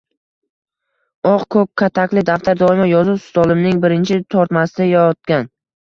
oq-ko‘k katakli daftar doimo yozuv stolimning birinchi tortmasida yotgan.